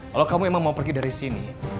kalau kamu memang mau pergi dari sini